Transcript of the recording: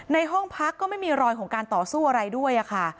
ในห้องพักก็ไม่มีรอยของการต่อสู้อะไรด้วยค่ะ